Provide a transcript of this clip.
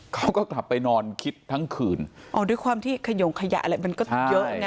เขาก็กลับไปนอนคิดทั้งคืนอ๋อด้วยความที่ขยงขยะอะไรมันก็เยอะไง